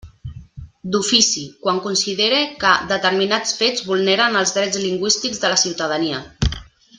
D'ofici, quan considere que determinats fets vulneren els drets lingüístics de la ciutadania.